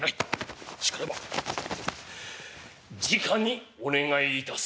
しからばじかにお願いいたす」。